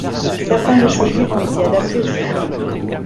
Certains de ses livres ont été adaptés au cinéma.